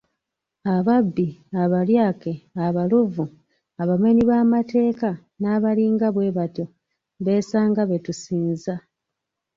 Ababbi, abalyake, abaluvu, abamenyi b'amateeka n'abalinga bwebatyo besanga betusinza.